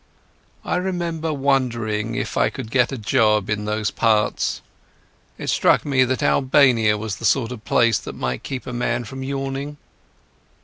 I remember wondering if I could get a job in those parts. It struck me that Albania was the sort of place that might keep a man from yawning.